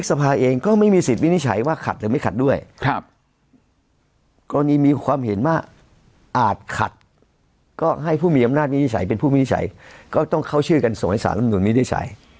ขั้นตอนมันมันจะเป็นอย่างงี้